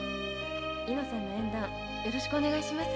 猪之さんの縁談よろしくお願いします。